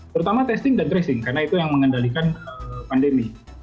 terutama testing dan tracing karena itu yang mengendalikan pandemi